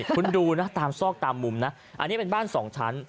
คุณดูนะตามซอกตามมุมนะอันนี้เป็นบ้าน๒ชั้น